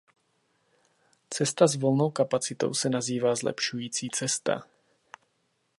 Cesta s volnou kapacitou se nazývá zlepšující cesta.